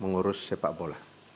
mengurus sepak bola